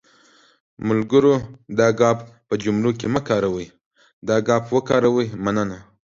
ملګرو دا گ په جملو کې مه کاروٸ، دا ګ وکاروٸ.مننه